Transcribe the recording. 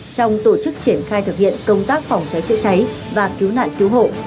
trong tổ chức triển khai thực hiện công tác phòng cháy chữa cháy và cứu nạn cứu hộ